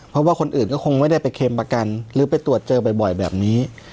เพราะว่าคนอื่นก็คงไม่ได้ไปเค็มประกันหรือไปตรวจเจอบ่อยแบบนี้